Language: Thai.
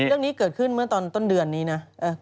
เรื่องนี้เกิดขึ้นเมื่อตอนต้นเดือนนี้นะ